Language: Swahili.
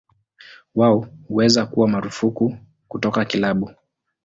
Wao huweza kuwa marufuku kutoka kilabu.